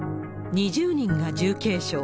２０人が重軽傷。